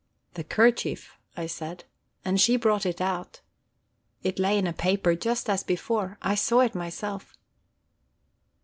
'The kerchief,' I said. And she brought it out. It lay in a paper, just as before; I saw it myself."